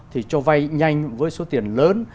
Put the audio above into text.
thì cho vay nhanh với số tiền lớn